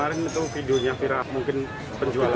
itu yang viral mungkin penjualannya